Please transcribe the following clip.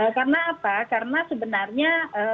karena apa karena sebenarnya